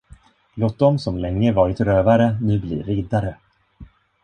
Låt dem som länge varit rövare nu bli riddare.